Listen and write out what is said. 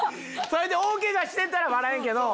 それで大ケガしてたら笑えんけど。